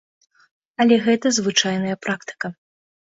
Але гэта звычайная практыка.